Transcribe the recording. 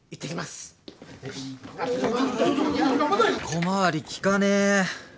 小回り利かねぇ。